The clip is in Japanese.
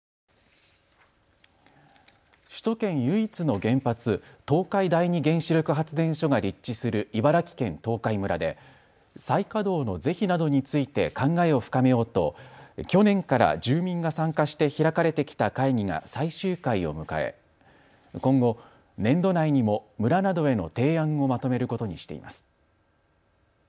首都圏唯一の原発、東海第二原子力発電所が立地する茨城県東海村で再稼働の是非などについて考えを深めようと去年から住民が参加して開かれてきた会議が最終回を迎え、今後、年度内にも村などへの提案をまとめることにしています。